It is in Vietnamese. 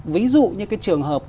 ví dụ như cái trường hợp